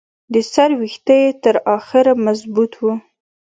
د سر ویښته یې تر اخره مضبوط وو.